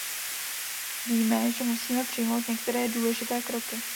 Víme, že musíme přijmout některé důležité kroky.